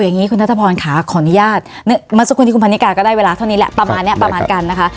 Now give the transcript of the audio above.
มันสนุกกับที่คุณพันธิการก็ได้เวลาเท่านี้แหละประมาณเนี่ยประมาณกันนะคะ